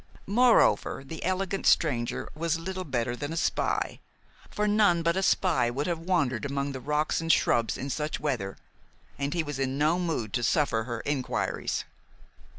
Moreover, the elegant stranger was little better than a spy, for none but a spy would have wandered among the rocks and shrubs in such weather, and he was in no mood to suffer her inquiries.